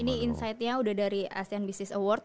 ini insightnya udah dari asean business award